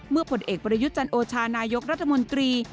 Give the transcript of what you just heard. เมื่อผลเอกประยุจจันโอชานายกรัฐมนตรี